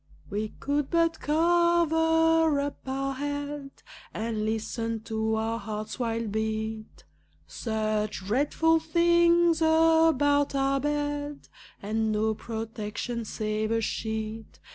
We could but cover up our head, And listen to our heart's wild beat Such dreadful things about our bed, And no protection save a sheet!